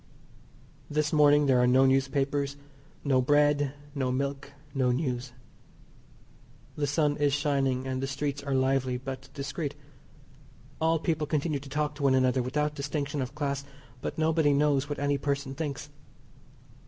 This morning there are no newspapers, no bread, no milk, no news. The sun is shining, and the streets are lively but discreet. All people continue to talk to one another without distinction of class, but nobody knows what any person thinks.